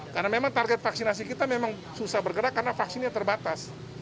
karena memang target vaksinasi kita susah bergerak karena vaksinnya terbatas